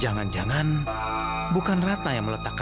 jangan jangan bukan rattana yang melaporkan saya